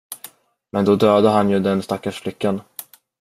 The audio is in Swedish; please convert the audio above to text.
Men då dödade han ju den stackars flickan.